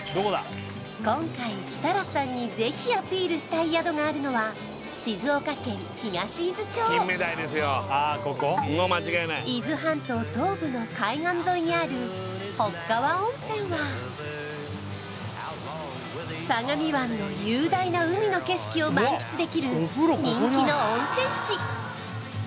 今回設楽さんにぜひアピールしたい宿があるのは静岡県東伊豆町伊豆半島東部の海岸沿いにある北川温泉は相模湾の雄大な海の景色を満喫できる人気の温泉地